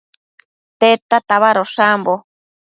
Tedta tabadosh ambo?